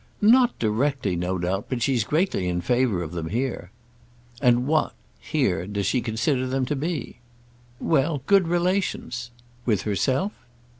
"Not directly, no doubt; but she's greatly in favour of them here." "And what—'here'—does she consider them to be?" "Well, good relations!" "With herself?"